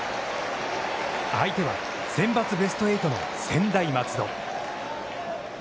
相手はセンバツベスト８の専大松戸。